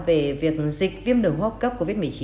về việc dịch viêm đường hốc cấp covid một mươi chín